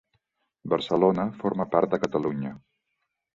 Barcelona forma part de Catalunya.